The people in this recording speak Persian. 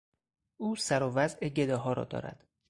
او سر و وضع گداها را دارد.